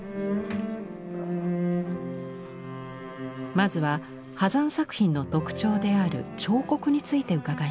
まずは波山作品の特徴である彫刻について伺いました。